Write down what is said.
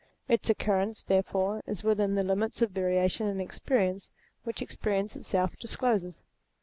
Its occurrence, therefore, is within the limits of variation in experience, which experience itself discloses.